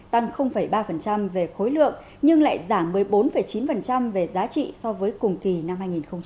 tăng ba về khối lượng nhưng lại giảm một mươi bốn chín về giá trị so với cùng kỳ năm hai nghìn một mươi chín